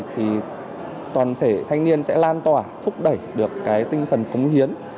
thì toàn thể thanh niên sẽ lan tỏa thúc đẩy được tinh thần cống hiến